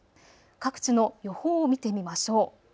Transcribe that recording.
各地の予報を見てみましょう。